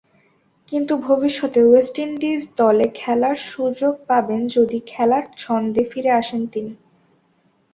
কিন্তু ভবিষ্যতে West Indies দলে খেলার সুযোগ পাবেন যদি খেলার ছন্দে ফিরে আসেন তিনি।'